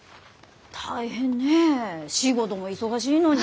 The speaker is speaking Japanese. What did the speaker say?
大変ねえ仕事も忙しいのに。